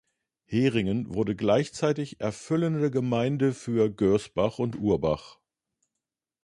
Heringen wurde gleichzeitig erfüllende Gemeinde für Görsbach und Urbach.